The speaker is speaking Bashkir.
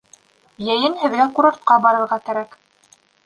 Йәйен һеҙгә курортҡа барырға кәрәк.